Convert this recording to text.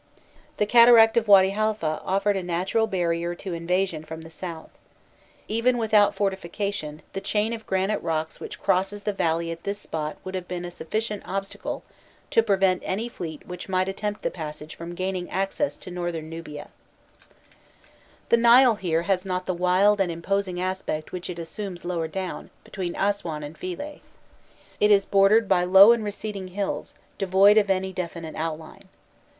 The cataract of Wady Haifa offered a natural barrier to invasion from the south. Even without fortification, the chain of granite rocks which crosses the valley at this spot would have been a sufficient obstacle to prevent any fleet which might attempt the passage from gaining access to northern Nubia. [Illustration: 345.jpg THE SECOND CATARACT BETWEEN HAMKEH AND WADY HALFA] The Nile here has not the wild and imposing aspect which it assumes lower down, between Aswan and Philae. It is bordered by low and receding hills, devoid of any definite outline.